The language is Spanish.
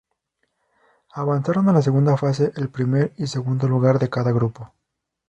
Avanzaron a la segunda fase el primer y segundo lugar de cada grupo.